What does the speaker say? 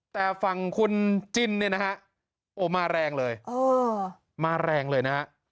แต่ฝั่งคุณจินเนี่ยนะฮะโอ้มาแรงเลยมาแรงเลยนะฮะ